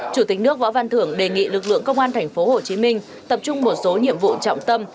chủ tịch nước võ văn thưởng đề nghị lực lượng công an thành phố hồ chí minh tập trung một số nhiệm vụ trọng tâm